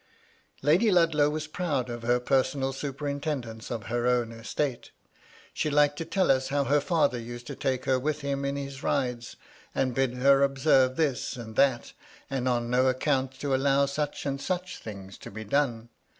Lady Ludlow was pi'oud of her personal superintend ence of her own estate. She liked to tell us how her father used to take her with him in his rides, and bid her obsenre this and that, and on no account to allow such and such thhigs to be done.